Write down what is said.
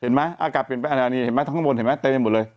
เห็นไหมอากาศเป็นแบบนี้เห็นไหมทั้งข้างบนเต็มไปหมดเลย